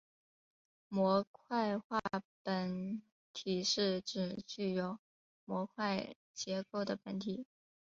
模块化本体是指具有模块结构的本体。